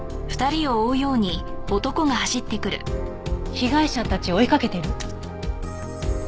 被害者たちを追いかけている？